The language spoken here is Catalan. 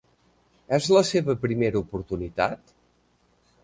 És la seva primera oportunitat?